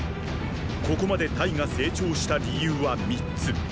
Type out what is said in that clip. ここまで隊が成長した理由は三つ。